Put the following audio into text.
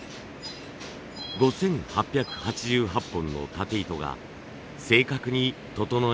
５，８８８本のタテ糸が正確に整えられました。